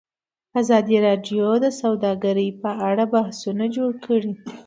ازادي راډیو د سوداګري په اړه پراخ بحثونه جوړ کړي.